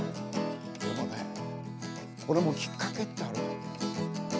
でもねこれもきっかけってあるよ。